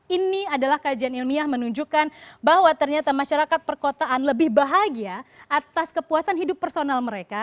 ini adalah kajian ilmiah menunjukkan bahwa ternyata masyarakat perkotaan lebih bahagia atas kepuasan hidup personal mereka